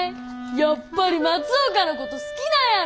やっぱり松岡のこと好きなんやろ。